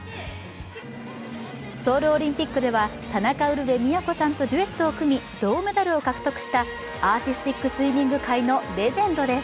ソウルオリンピックでは、田中ウルヴェ京さんとデュエットを組み、銅メダルを獲得した、アーティスティックスイミング界のレジェンドです。